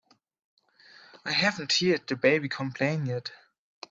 I haven't heard the baby complain yet.